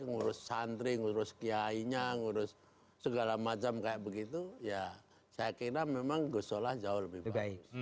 mengurus santri mengurus kiai nya mengurus segala macam kayak begitu ya saya kira memang gus solah jauh lebih bagus